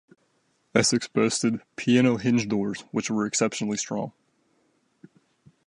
Essex boasted "piano hinge doors" which were exceptionally strong.